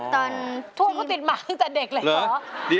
ตอนท่วมเขาติดหมาตั้งแต่เด็กเลยเหรอ